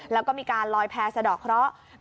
แล้วก็มีการลอยแพร่สะดอกเคราะห์